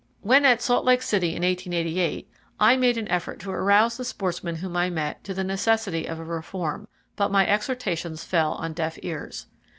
When at Salt Lake City in 1888 I made an effort to arouse the sportsmen whom I met to the necessity of a reform, but my exhortations fell on deaf ears.